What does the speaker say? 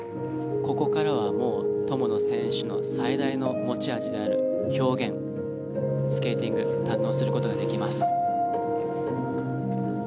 ここからは、もう友野選手の最大の持ち味である表現、スケーティング堪能することができます。